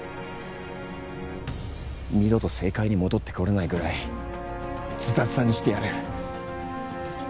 二度と政界に戻ってこれないぐらいずたずたにしてやる。